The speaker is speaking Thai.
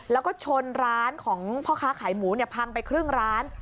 แล้วก็ชนร้านของพ่อค้าขายหมูพังไปครึ่งร้าน